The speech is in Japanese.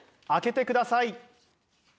開けてください。